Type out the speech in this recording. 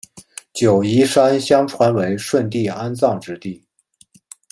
九嶷山相传为舜帝安葬之地。